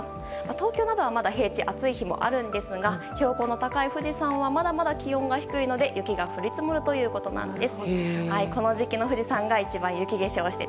東京など、まだ平地は暑い日もありますが標高の高い富士山はまだまだ気温が低いので雪が降り積もるということなんです。